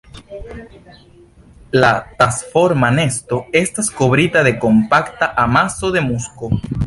La tasforma nesto estas kovrita de kompakta amaso de musko.